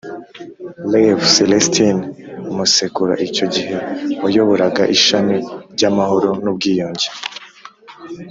Rev. Celestin Musekura icyo gihe wayoboraga ishami ry’Amahoro n’Ubwiyunge